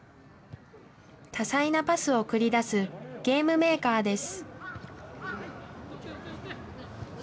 多彩なパスを繰り出すゲームメーカーです。